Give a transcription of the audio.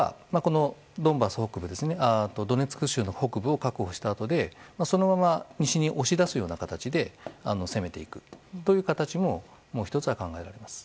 もう１つは、ドネツク州北部を確保したあとでそのまま西に押し出すような形で攻めていくという形も１つは考えられます。